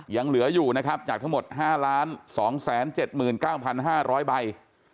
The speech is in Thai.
ยังเหลืออยู่นะครับจากทั้งหมด๕๒๗๙๕๐๐ใบ